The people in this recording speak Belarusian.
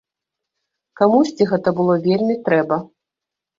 Камусьці гэта было вельмі трэба.